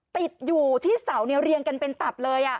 ติดอยู่ที่เสาเรียงกันเป็นตับเลย